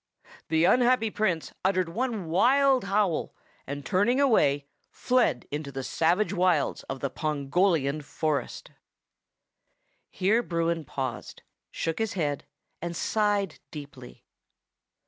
The unhappy Prince uttered one wild howl, and turning away, fled into the savage wilds of the Pongolian forest. Here Bruin paused, shook his head, and sighed deeply.